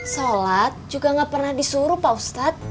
sholat juga gak pernah disuruh pak ustadz